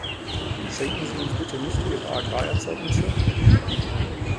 Schenken Sie uns bitte nicht Ihre Agrarerzeugnisse, ?